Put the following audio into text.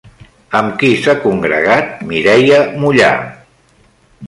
Amb qui s'ha congregat Mireia Mollà?